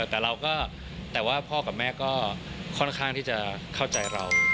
แต่เราก็แต่ว่าพ่อกับแม่ก็ค่อนข้างที่จะเข้าใจเรา